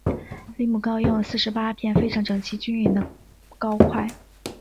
离母糕用四十八片非常整齐均匀的糕块。